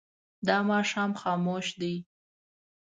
دا ماښام خاموش دی.